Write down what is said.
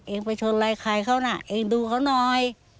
เองไปชนอะไรใครเขาน่ะเองดูเขาหน่อย